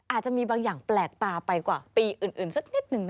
อาจจะมีบางอย่างแปลกตาไปกว่าปีอื่นสักนิดหนึ่ง